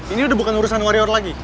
ini udah bukan urusan warrior lagi